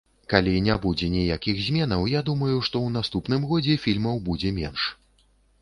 Калі не будзе ніякіх зменаў, я думаю, што ў наступным годзе фільмаў будзе менш.